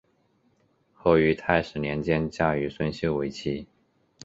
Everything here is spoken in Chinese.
后于泰始年间嫁于孙秀为妻。